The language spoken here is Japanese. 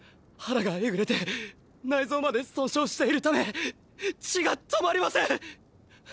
腹がエグれて内臓まで損傷しているため血が止まりません。